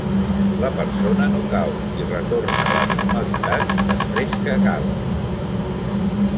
La persona no cau, i retorna a la normalitat després que acaba.